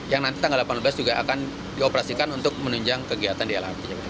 yang nanti tanggal delapan belas juga akan dioperasikan untuk menunjang kegiatan di lrt